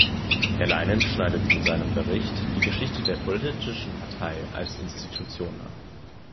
Herr Leinen schneidet in seinem Bericht die Geschichte der politischen Partei als Institution an.